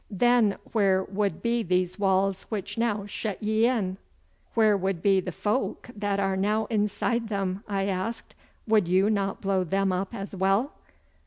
Then where would be these walls which now shut ye in?' 'Where would be the folk that are now inside them!' I asked. 'Would you not blow them up as well?